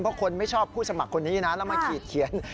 เพราะคนไม่ชอบผู้สมัครคนนี้นะแล้วมาขีดเขียน